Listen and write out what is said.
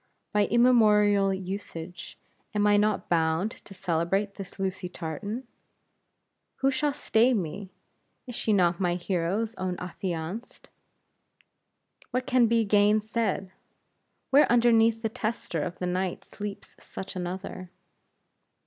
By immemorial usage, am I not bound to celebrate this Lucy Tartan? Who shall stay me? Is she not my hero's own affianced? What can be gainsaid? Where underneath the tester of the night sleeps such another?